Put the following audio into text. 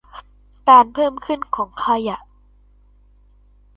การเพิ่มขึ้นของขยะ